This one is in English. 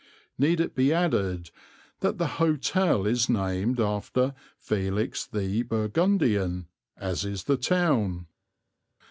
Need it be added that the hotel is named after Felix the Burgundian, as is the town?